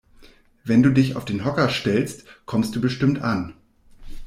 Wenn du dich auf den Hocker stellst, kommst du bestimmt an.